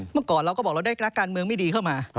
เมื่อก่อนเราก็บอกเราได้นักการเมืองไม่ดีเข้ามา